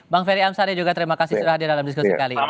bang ferry amsari juga terima kasih sudah hadir dalam diskusi kali ini